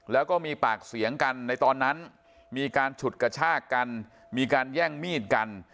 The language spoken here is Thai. แล้วก็มีปากเสียงกันในตอนนั้นมีการฉุดกระชากกันมีการแย่งมีดกัน